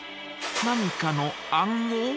何かの暗号？